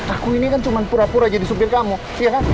aku ini kan cuma pura pura jadi supir kamu